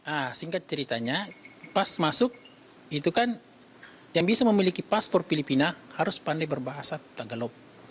ah singkat ceritanya pas masuk itu kan yang bisa memiliki paspor filipina harus pandai berbahasa tagalok